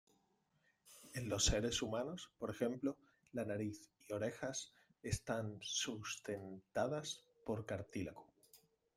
En los seres humanos, por ejemplo, la nariz y orejas están sustentadas por cartílago.